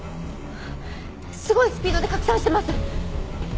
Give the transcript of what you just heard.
すごいスピードで拡散してます！